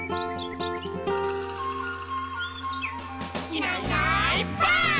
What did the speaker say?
「いないいないばあっ！」